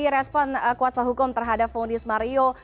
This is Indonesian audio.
respon kuasa hukum terhadap fonis mario